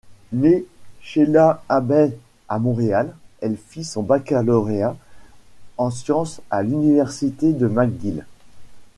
Née Sheila Abbey à Montréal, elle fit son baccalauréat en sciences à l'Université McGill.